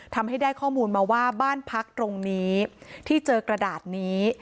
ทำให้ได้ข้อมูลมาว่าบ้านพักตรงนี้ที่เจอกระดาษนี้